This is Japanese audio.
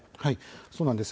そうなんです。